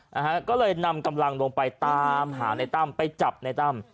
นะฮะก็เลยนำกำลังลงไปตามหาในตั้มไปจับในตั้ม